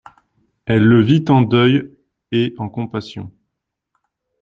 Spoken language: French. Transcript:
Elle le vit en deuil et en compassion.